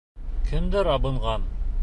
Кемдер абынған.